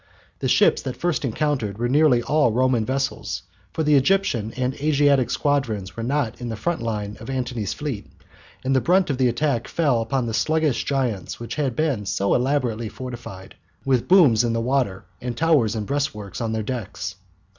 The ships that first encountered were nearly all Roman vessels, for the Egyptian and Asiatic squadrons were not in the front line of Antony's fleet, and the brunt of the attack fell upon the sluggish giants that had been so elaborately fortified with booms in the water and towers and breastworks on their decks.